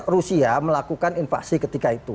rusia melakukan invasi ketika itu